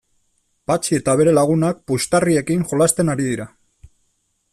Patxi eta bere lagunak puxtarriekin jolasten ari dira.